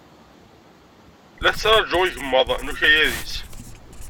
La tettṛaju igmaḍ n ukayad-is.